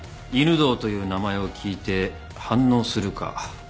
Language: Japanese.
「犬堂」という名前を聞いて反応するか。